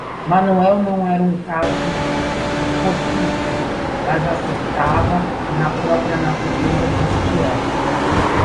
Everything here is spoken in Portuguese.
Manoel não era um caso fortuito, mas assentava na própria natureza deste homem.